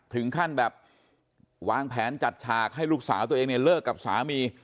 ถึงขั้นแบบวางแผนจัดฉากให้ลูกสาวตัวเองเนี่ยเลิกกับสามี